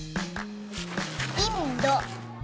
インド。